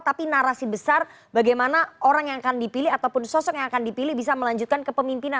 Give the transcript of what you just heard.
tapi narasi besar bagaimana orang yang akan dipilih ataupun sosok yang akan dipilih bisa melanjutkan kepemimpinan